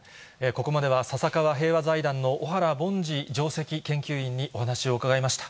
ここまでは笹川平和財団の小原凡司上席研究員にお話を伺いました。